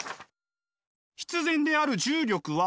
必然である重力は。